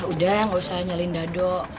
udah gak usah nyalin dado